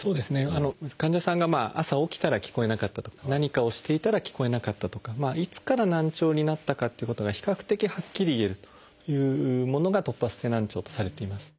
患者さんが朝起きたら聞こえなかったとか何かをしていたら聞こえなかったとかいつから難聴になったかっていうことが比較的はっきり言えるというものが突発性難聴とされています。